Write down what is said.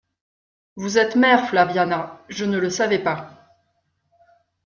Vous êtes mère, Flaviana, je ne le savais pas.